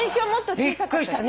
びっくりしたね。